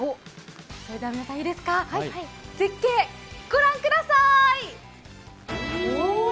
それでは皆さん、いいですか絶景ご覧ください。